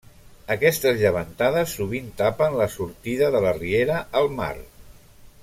Aquestes llevantades sovint tapen la sortida de la riera al mar.